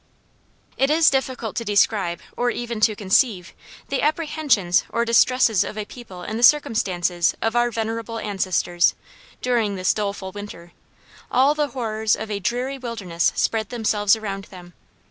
It is difficult to describe, or even to conceive, the apprehensions or distresses of a people in the circumstances of our venerable ancestors, during this doleful winter. All the horrors of a dreary wilderness spread themselves around them.